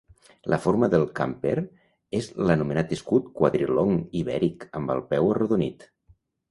La forma del camper és l'anomenat escut quadrilong ibèric, amb el peu arrodonit.